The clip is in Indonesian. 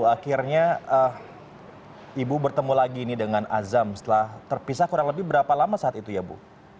akhirnya ibu bertemu lagi ini dengan azam setelah terpisah kurang lebih berapa lama saat itu ya bu